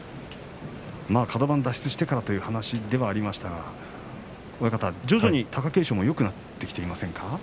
カド番脱出してからという話ではありましたが徐々に貴景勝もよくなってきていませんか？